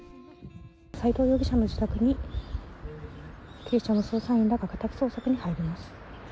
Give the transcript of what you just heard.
斎藤容疑者の自宅に、警視庁の捜査員らが家宅捜索に入ります。